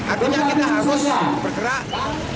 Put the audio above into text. artinya kita harus bergerak